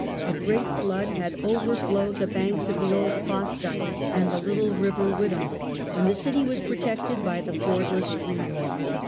A great flood had overflowed the banks of the old Foss dyke and the little river Witham, and the city was protected by the fordless stream.